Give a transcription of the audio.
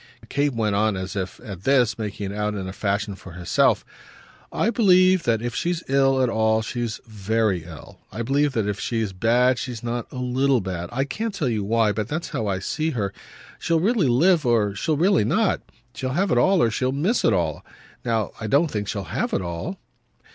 Kate went on as if, at this, making it out in a fashion for herself. "I believe that if she's ill at all she's very ill. I believe that if she's bad she's not a LITTLE bad. I can't tell you why, but that's how I see her. She'll really live or she'll really not. She'll have it all or she'll miss it all. Now I don't think she'll have it all."